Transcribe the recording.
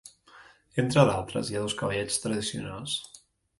Entre d'altres, hi ha dos cavallets tradicionals.